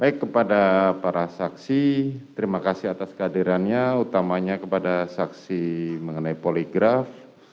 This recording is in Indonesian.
baik kepada para saksi terima kasih atas kehadirannya utamanya kepada saksi mengenai poligraf